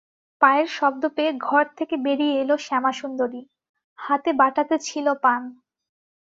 পায়ের শব্দ পেয়ে ঘর থেকে বেরিয়ে এল শ্যামাসুন্দরী, হাতে বাটাতে ছিল পান।